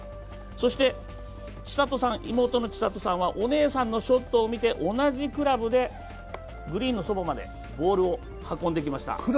そして、妹の千怜さんはお姉さんのショットを見て同じクラブでグリーンのそばまでボールを運んできました。